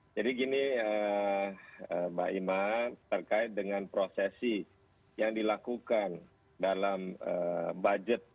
jadi gini mbak ima terkait dengan prosesi yang dilakukan dalam budget